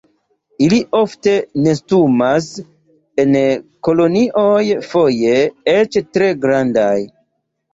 Ili ofte nestumas en kolonioj, foje eĉ tre grandaj.